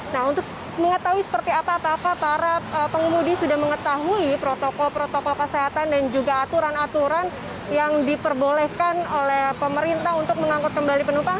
nah untuk mengetahui seperti apa apakah para pengemudi sudah mengetahui protokol protokol kesehatan dan juga aturan aturan yang diperbolehkan oleh pemerintah untuk mengangkut kembali penumpang